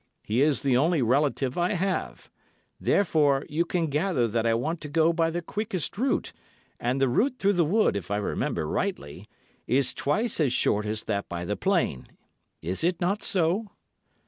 He is the only relative I have—therefore you can gather that I want to go by the quickest route, and the road through the wood, if I remember rightly, is twice as short as that by the plain. Is it not so?